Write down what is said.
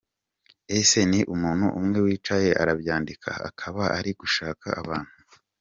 ese ni umuntu umwe wicaye arabyandika akaba ari gushaka abantu??